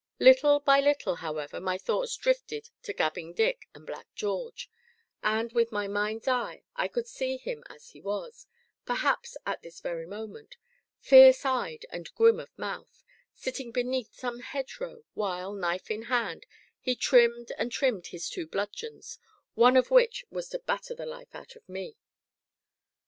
Little by little, however, my thoughts drifted to Gabbing Dick and Black George, and, with my mind's eye, I could see him as he was (perhaps at this very moment), fierce eyed and grim of mouth, sitting beneath some hedgerow, while, knife in hand, he trimmed and trimmed his two bludgeons, one of which was to batter the life out of me.